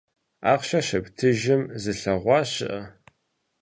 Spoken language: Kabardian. Ахъшэр щептыжым зылъэгъуа щыӀэ?